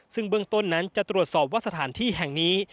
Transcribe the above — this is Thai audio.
ซึ่งเบื้องต้นนั้นจะตรวจสอบว่าสถานที่แห่งนี้